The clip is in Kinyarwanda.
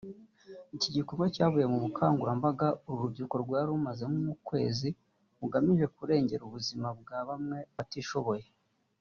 Iki gikorwa cyavuye mu bukangurambaga uru rubyiruko rwari rumazemo ukwezi bugamije kurengera ubuzima bwa bamwe mu batishoboye